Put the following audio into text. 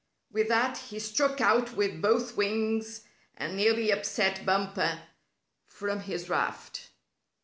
With that he struck out with both wings, and nearly upset Bumper from his raft.